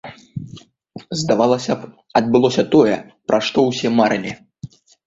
Здавалася б, адбылося тое, пра што ўсе марылі.